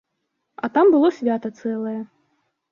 А там было свята цэлае.